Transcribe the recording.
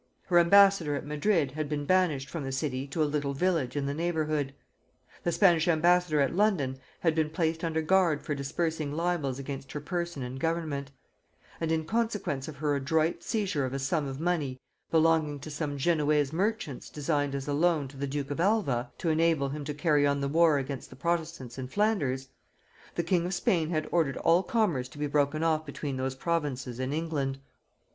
Her ambassador at Madrid had been banished from the city to a little village in the neighbourhood; the Spanish ambassador at London had been placed under guard for dispersing libels against her person and government; and in consequence of her adroit seizure of a sum of money belonging to some Genoese merchants designed as a loan to the duke of Alva, to enable him to carry on the war against the protestants in Flanders, the king of Spain had ordered all commerce to be broken off between those provinces and England.